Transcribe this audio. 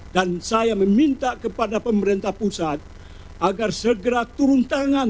dan saya meminta kepada pemerintah pusat agar segera turun tangan